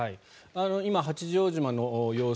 今、八丈島の様子